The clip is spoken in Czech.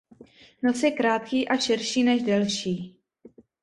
Nos je krátký a širší než delší.